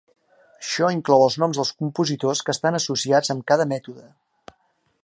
Això inclou els noms dels compositors que estan associats amb cada mètode.